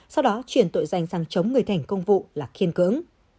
sau đó chuyển tội danh sang chống người thi hành công vụ là khiên cứng